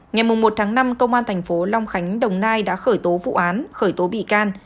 ngày một tháng năm công an thành phố long khánh đồng nai đã khởi tố vụ án khởi tố bị can